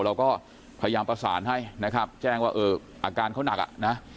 เราก็พยายามประสานให้นะครับแจ้งว่าเอออาการเขาหนักอ่ะนะ